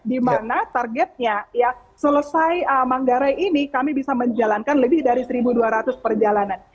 dimana targetnya selesai manggarai ini kami bisa menjalankan lebih dari seribu dua ratus perjalanan